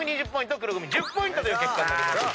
黒組１０ポイントという結果になりました。